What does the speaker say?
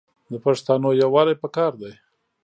د پښتانو یوالي پکار دی.